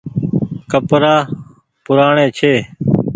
ڪپڙآ پوُرآڻي ڇي۔